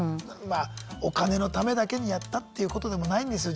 お金のためだけにやったっていうことでもないんですよ